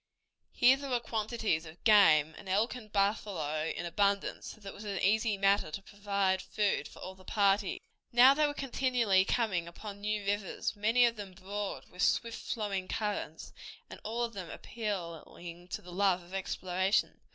Here there were quantities of game, and elk and buffalo in abundance, so that it was an easy matter to provide food for all the party. Now they were continually coming upon new rivers, many of them broad, with swift flowing currents, and all of them appealing to the love of exploration.